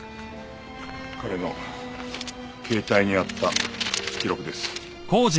彼の携帯にあった記録です。